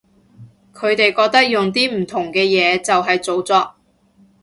佢哋覺得用啲唔同嘅嘢就係造作